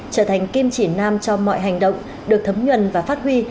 trở thành kim chỉ nam cho mọi hành động được thấm nhuần và phát huy